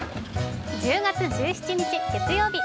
１０月１７日月曜日。